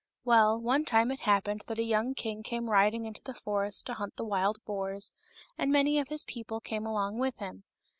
Well, one time it happened that a young king came riding into the forest to hunt the wild boars, and many of his people came along with him.